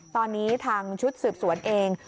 ตอนนี้ทางชุดสืบสวนเอง